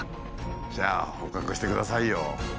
じゃあ捕獲してくださいよ。